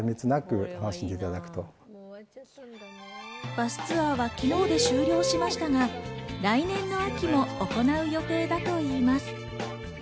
バスツアーは昨日で終了しましたが、来年の秋も行う予定だといいます。